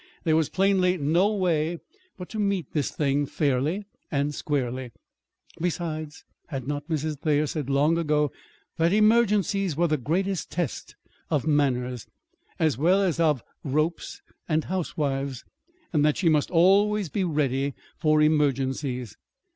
There was plainly no way but to meet this thing fairly and squarely. Besides, had not Mrs. Thayer said long ago that emergencies were the greatest test of manners, as well as of ropes and housewives, and that she must always be ready for emergencies?